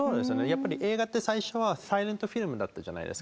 やっぱり映画って最初はサイレントフィルムだったじゃないですか。